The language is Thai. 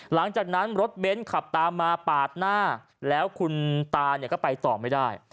หลังจากนั้นรถเบ้นขับตามมาปาดหน้าแล้วคุณตาเนี่ยก็ไปต่อไม่ได้